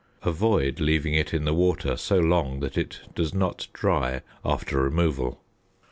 Avoid leaving it in the water so long that it does not dry after removal.